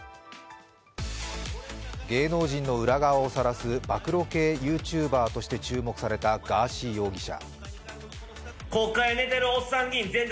芸能人の裏側をさらす暴露系ＹｏｕＴｕｂｅｒとして注目されたガーシー容疑者。